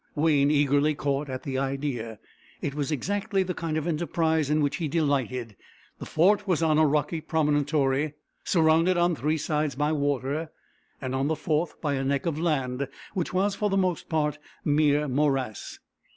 Wayne eagerly caught at the idea. It was exactly the kind of enterprise in which he delighted. The fort was on a rocky promontory, surrounded on three sides by water, and on the fourth by a neck of land, which was for the most part mere morass.